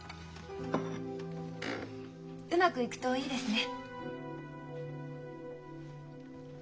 うまくいくといいですね。